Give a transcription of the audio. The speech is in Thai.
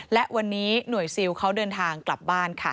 และวันนี้หน่วยซิลเขาเดินทางกลับบ้านค่ะ